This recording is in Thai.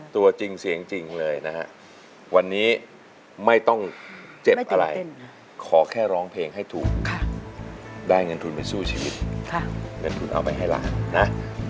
ตัวจริงเสียงจริงเลยนะฮะวันนี้ไม่ต้องเจ็บอะไรขอแค่ร้องเพลงให้ถูกได้เงินทุนไปสู้ชีวิตเงินทุนเอาไปให้หลานนะ